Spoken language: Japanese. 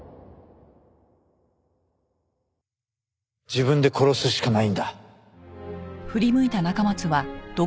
自分で殺すしかないんだ。